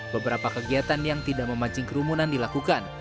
beberapa kegiatan yang tidak memancing kerumunan dilakukan